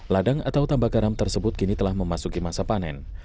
ladang atau tambak garam tersebut kini telah memasuki masa panen